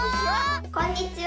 こんにちは。